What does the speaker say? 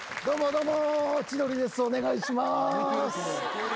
どうも。